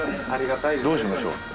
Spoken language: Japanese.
どうしましょう？